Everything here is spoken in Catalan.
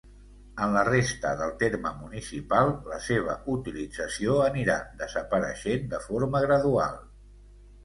En la resta del terme municipal la seva utilització anirà desapareixent de forma gradual.